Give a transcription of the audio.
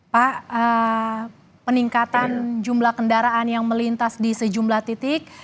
pak peningkatan jumlah kendaraan yang melintas di sejumlah titik